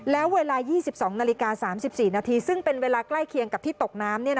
แล้วเวลา๒๒นาฬิกา๓๔นาทีซึ่งเป็นเวลาใกล้เคียงกับที่ตกน้ำ